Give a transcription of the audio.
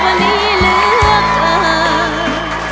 วันนี้เลือกทาง